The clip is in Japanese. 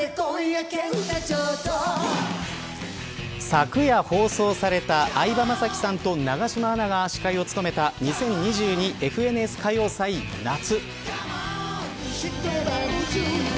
昨夜放送された相葉雅紀さんと永島アナが司会を務めた２０２２ＦＮＳ歌謡祭、夏。